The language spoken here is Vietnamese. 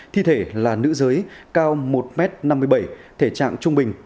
thi thể là nữ giới cao một m năm mươi bảy thể trạng trung bình